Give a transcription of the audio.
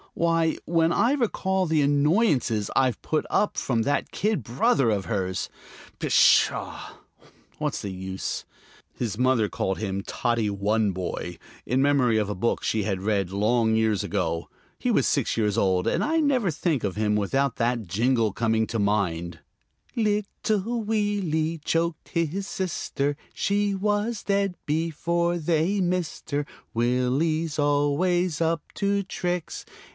Why, when I recall the annoyances I've put up with from that kid brother of hers!... Pshaw, what's the use? His mother called him "Toddy One Boy," in memory of a book she had read long years ago. He was six years old, and I never think of him without that jingle coming to mind: "Little Willie choked his sister, She was dead before they missed her. Willie's always up to tricks.